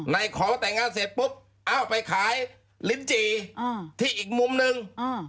ในของแต่งงานเสร็จปุ๊บอ้าวไปขายลิ้นจี่ที่อีกมุมนึง